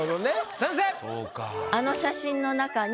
先生！